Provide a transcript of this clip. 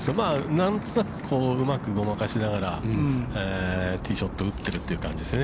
何となく、きょう、うまくごまかしながら、ティーショットを打ってるという感じですね。